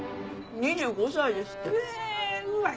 ２５歳ですって。